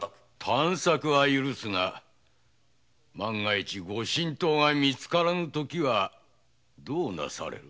探索は許すが万一御神刀がみつからぬときはどうなされる？